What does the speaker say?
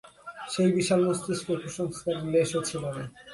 সেই বিশাল মস্তিষ্কে কুসংস্কারের লেশও ছিল না।